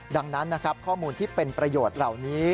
ดังนั้นนะครับข้อมูลที่เป็นประโยชน์เหล่านี้